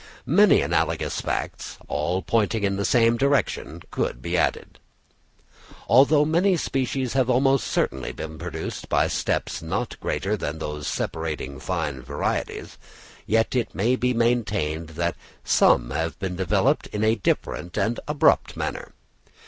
Many analogous facts, all pointing in the same direction, could be added. Although very many species have almost certainly been produced by steps not greater than those separating fine varieties; yet it may be maintained that some have been developed in a different and abrupt manner.